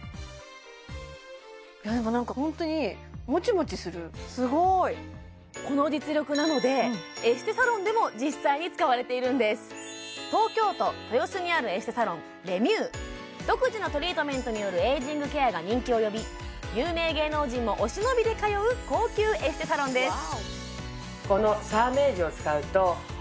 なんかホントにすごいこの実力なのでエステサロンでも実際に使われているんです東京都豊洲にあるエステサロンレミュー独自のトリートメントによるエイジングケアが人気を呼び有名芸能人もお忍びで通う高級エステサロンです